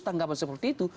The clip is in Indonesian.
tanggapan seperti itu